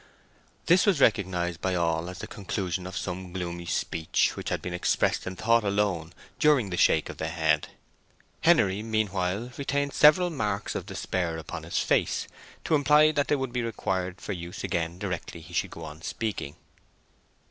This was recognized by all as the conclusion of some gloomy speech which had been expressed in thought alone during the shake of the head; Henery meanwhile retained several marks of despair upon his face, to imply that they would be required for use again directly he should go on speaking.